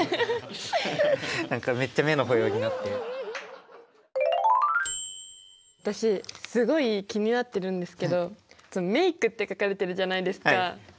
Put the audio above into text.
何かめっちゃ私すごい気になってるんですけど「メイク」って書かれてるじゃないですか。